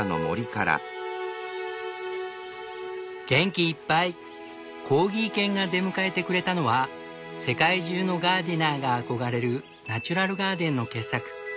元気いっぱいコーギー犬が出迎えてくれたのは世界中のガーデナーが憧れるナチュラルガーデンの傑作